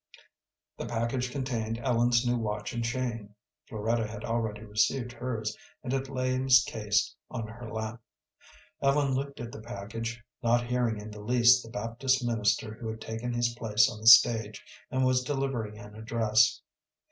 The package contained Ellen's new watch and chain. Floretta had already received hers, and it lay in its case on her lap. Ellen looked at the package, not hearing in the least the Baptist minister who had taken his place on the stage, and was delivering an address.